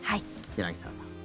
柳澤さん。